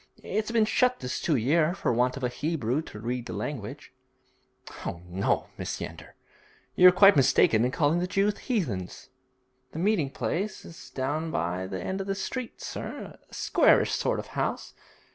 It's been shut this two year, for want of a Hebrew to read the language.' 'Oh, no, Mrs. Yeander; you're quite mistaken in calling the Jews heathens.' 'The meeting place is down by the end of the street, sir a squarish sort of house.